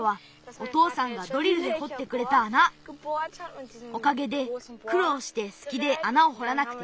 おかげでくろうしてすきであなをほらなくてすんだ。